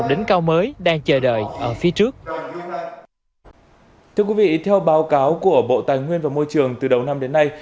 thưa quý vị theo báo cáo của bộ tài nguyên và môi trường từ đầu năm đến nay